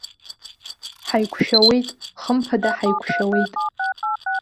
Ҳаиқәшәауеит, хымԥада ҳаиқәшәауеит!